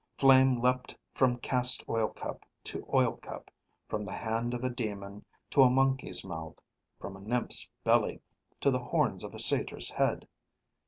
Flame leapt from cast oil cup to oil cup, from the hand of a demon to a monkey's mouth, from a nymph's belly to the horns of a satyr's head.